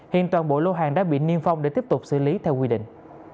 hiện toàn bộ lô hàng đã bị niêm phong để tiếp tục xử lý theo quy định